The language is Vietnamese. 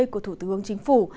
của thủ tướng chính phủ